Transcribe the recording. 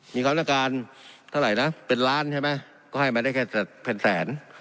มีความต้องการเท่าไหร่นะเป็นล้านใช่ไหมก็ให้มาได้แค่เป็นแสน